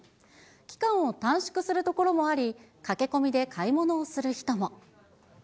期間を短縮するところもあり、駆け込みで買い物をする人も。